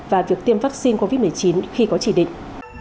và việc tiêm vắc xin covid một mươi chín khi có chỉ định